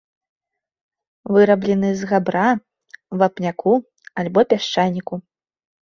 Выраблены з габра, вапняку альбо пясчаніку.